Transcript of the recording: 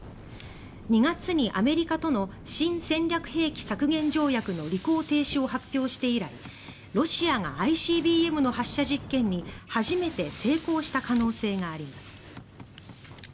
２月にアメリカとの新戦略兵器削減条約の履行停止を発表して以来ロシアがＩＣＢＭの発射実験に初めて成功した可能性があります。